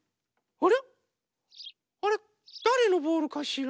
あれっ？だれのボールかしら？